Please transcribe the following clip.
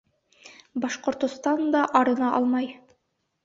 Башҡортостан да арына алмай